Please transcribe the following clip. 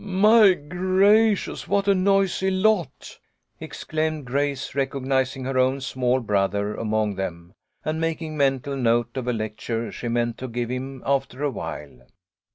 " My gracious ! what a noisy lot," exclaimed Grace, recognising her own small brother among them, and making mental note of a lecture she meant to give him after awhile.